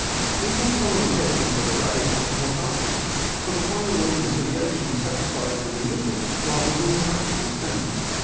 ' These are some of the questions that are raised but not answered, for the final reconciliation satisfies the religious rather than the practical sense.